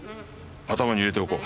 頭に入れておこう。